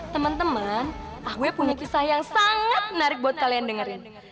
temen temen ah gue punya kisah yang sangat menarik buat kalian dengerin